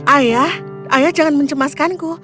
ayah ayah jangan mencemaskanku